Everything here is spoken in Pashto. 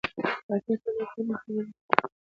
پاچا تل د کبر خبرې کوي .